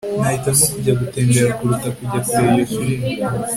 Nahitamo kujya gutembera kuruta kujya kureba iyo firime